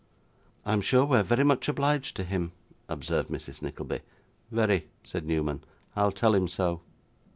'I am sure we are very much obliged to him,' observed Mrs. Nickleby. 'Very,' said Newman. 'I'll tell him so.